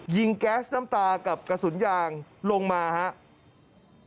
แก๊สน้ำตากับกระสุนยางลงมาครับ